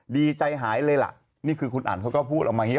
ดีใจหายเลยล่ะนี่คือคุณอันเขาก็พูดออกมาอย่างนี้